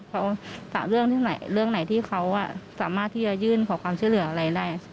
เขาตามเรื่องไหนที่เขาสามารถที่จะยื่นขอความเชื่อเหลืออะไรได้